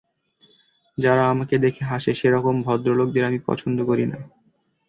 যারা আমাকে দেখে হাসে সেরকম ভদ্রলোকদের আমি পছন্দ করি না।